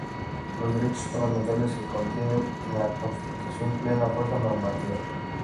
Los Derechos Fundamentales se contienen en la Constitución con plena fuerza normativa.